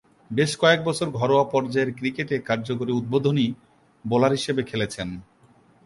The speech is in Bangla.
বেশ কয়েকবছর ঘরোয়া পর্যায়ের ক্রিকেটে কার্যকরী উদ্বোধনী বোলার হিসেবে খেলেছেন।